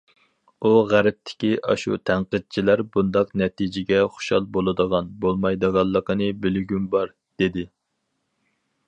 ئۇ:« غەربتىكى ئاشۇ تەنقىدچىلەر بۇنداق نەتىجىگە خۇشال بولىدىغان- بولمايدىغانلىقىنى بىلگۈم بار»، دېدى.